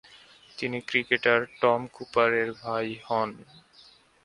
তিনি cricketer Tom Cooper এর ভাই হন।